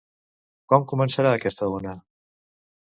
Com començarà aquesta ona?